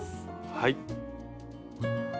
はい。